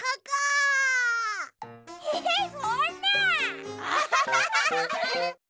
えそんな。